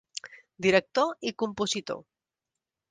Director i compositor.